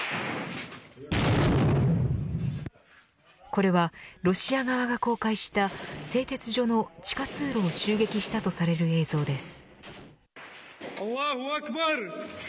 これはロシア側が公開した製鉄所の地下通路を襲撃したとされる映像です。